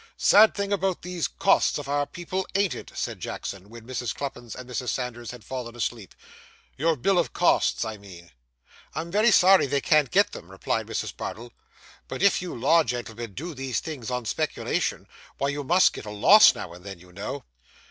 'Sad thing about these costs of our people's, ain't it,' said Jackson, when Mrs. Cluppins and Mrs. Sanders had fallen asleep; 'your bill of costs, I mean.' 'I'm very sorry they can't get them,' replied Mrs. Bardell. 'But if you law gentlemen do these things on speculation, why you must get a loss now and then, you know.